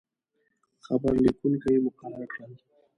خبر لیکونکي مقرر کړل.